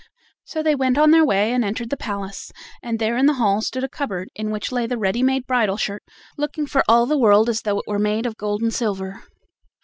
So they went on their way and entered the palace, and there in the hall stood a cupboard in which lay the ready made bridal shirt, looking for all the world as though it were made of gold and silver.